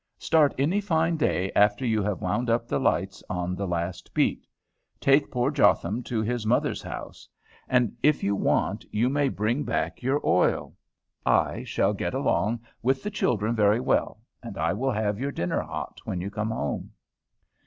Start any fine day after you have wound up the lights on the last beat, take poor Jotham to his mother's house, and if you want you may bring back your oil. I shall get along with the children very well, and I will have your dinner hot when you come home."